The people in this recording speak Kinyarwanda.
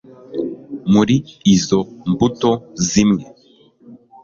muri izo mbuto zimwe